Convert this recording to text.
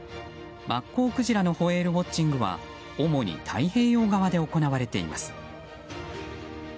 マッコウクジラのホエールウォッチングは主に太平洋側で行われています。